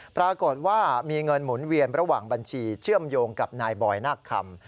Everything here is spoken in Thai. ปรากฏว่ามีเงินหมุนเวียนระหว่างบัญชีเชื่อมโยงกับนายบอยนาคคำ